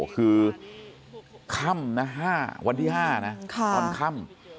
คือค่ำห้าวันที่๕นะค่ะ